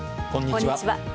こんにちは。